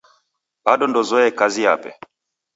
Bado ndouzoye kazi yape.